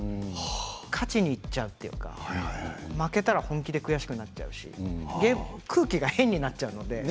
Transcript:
勝ちにいっちゃうというか負けたら本気で悔しくなっちゃうし空気が変になっちゃうので。